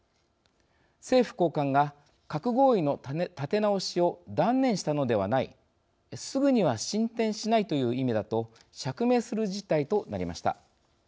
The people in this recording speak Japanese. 政府高官が「核合意の立て直しを断念したのではない。すぐには進展しないという意味だ」と釈明する事態となりました。